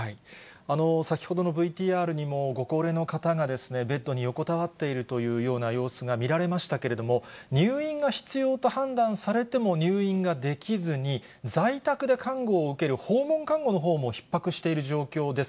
先ほどのＶＴＲにもご高齢の方がベッドに横たわっているというような様子が見られましたけれども、入院が必要と判断されても、入院ができずに、在宅で観護を受ける訪問看護のほうもひっ迫している状況です。